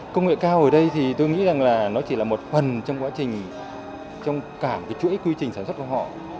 công nghệ cao ở đây thì tôi nghĩ rằng là nó chỉ là một phần trong quá trình trong cả cái chuỗi quy trình sản xuất của họ